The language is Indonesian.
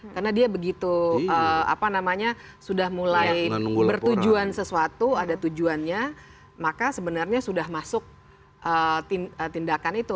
karena dia begitu apa namanya sudah mulai bertujuan sesuatu ada tujuannya maka sebenarnya sudah masuk tindakan itu